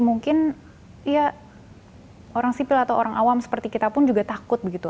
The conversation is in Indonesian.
mungkin ya orang sipil atau orang awam seperti kita pun juga takut begitu